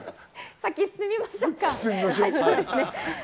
先、進みましょうか。